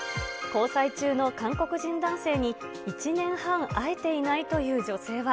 交際中の韓国人男性に、１年半、会えていないという女性は。